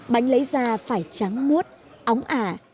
bánh lấy ra phải trắng muốt ống ả